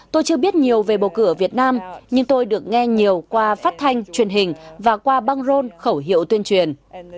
tôi chưa biết nhiều về bầu cử ở việt nam nhưng tôi được nghe nhiều qua phát thanh truyền hình và qua băng rôn khẩu hiệu tuyên truyền